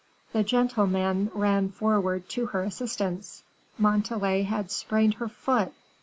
The gentlemen ran forward to her assistance; Montalais had sprained her foot.